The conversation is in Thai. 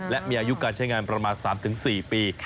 และมีอายุการใช้งานประมาณ๓๔ปี